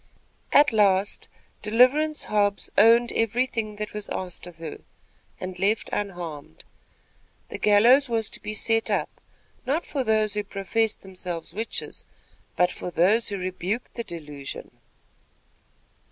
At last, "Deliverance Hobbs owned every thing that was asked of her," and left unharmed. The gallows was to be set up, not for those who professed themselves witches, but for those who rebuked the delusion.